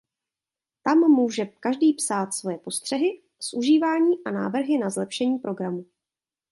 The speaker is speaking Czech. Tam může každý psát svoje postřehy z užívání a návrhy na zlepšení programu.